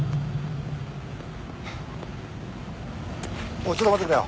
おいちょっと待ってくれよ